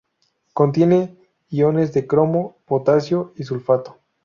Contiene iones de cromo, potasio y sulfato.